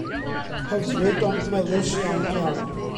Hyfryd ond melys iawn iawn.